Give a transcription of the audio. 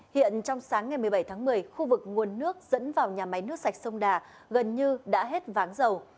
hiện trong sáng ngày một mươi bảy tháng một mươi khu vực nguồn nước dẫn vào nhà máy nước sạch sông đà gần như đã hết váng dầu